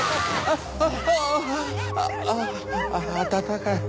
あっあぁ温かい。